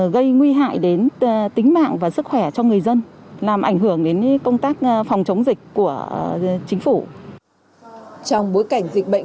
tuy nhiên người dân cũng cần tỉnh táo khi có ý định